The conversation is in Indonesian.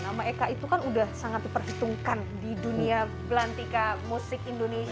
nama eka itu kan udah sangat diperhitungkan di dunia belantika musik indonesia